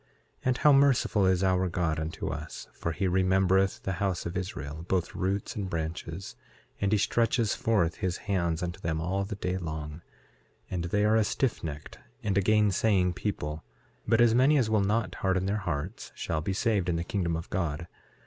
6:4 And how merciful is our God unto us, for he remembereth the house of Israel, both roots and branches; and he stretches forth his hands unto them all the day long; and they are a stiffnecked and a gainsaying people; but as many as will not harden their hearts shall be saved in the kingdom of God.